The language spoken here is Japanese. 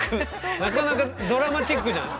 なかなかドラマチックじゃない。